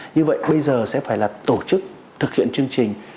như vậy bây giờ sẽ phải là tổ chức thực hiện chương trình